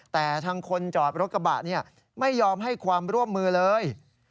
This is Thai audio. แต่ทางคนจอดรถกระบะไม่ยอมให้ความร่วมมือเลย